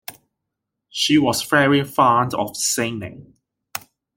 She was very fond of singing.